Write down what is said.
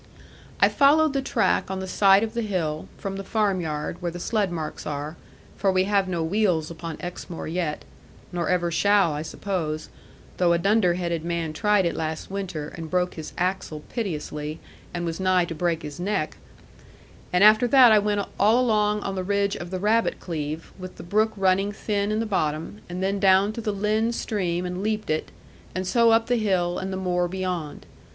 I followed the track on the side of the hill, from the farm yard, where the sledd marks are for we have no wheels upon Exmoor yet, nor ever shall, I suppose; though a dunder headed man tried it last winter, and broke his axle piteously, and was nigh to break his neck and after that I went all along on the ridge of the rabbit cleve, with the brook running thin in the bottom; and then down to the Lynn stream and leaped it, and so up the hill and the moor beyond.